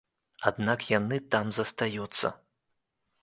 Аднак яны там застаюцца!